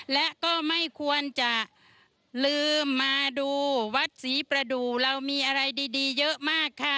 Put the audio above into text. และก็ไม่ควรจะลืมมาดูวัดศรีประดูกเรามีอะไรดีเยอะมากค่ะ